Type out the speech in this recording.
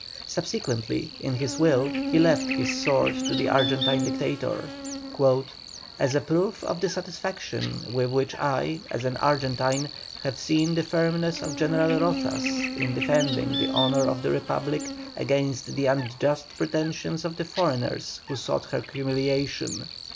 Subsequently, in his will, he left his sword to the Argentine Dictator: "As a proof of the satisfaction with which I, as an Argentine, have seen the firmness of General Rozas in defending the honour of the Republic against the unjust pretensions of the foreigners who sought her humiliation."